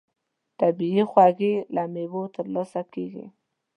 طبیعي خوږې له مېوو ترلاسه کېږي.